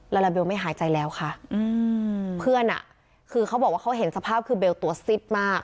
ลาลาเบลไม่หายใจแล้วค่ะอืมเพื่อนอ่ะคือเขาบอกว่าเขาเห็นสภาพคือเบลตัวซิดมาก